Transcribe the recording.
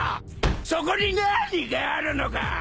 そこに何があるのか！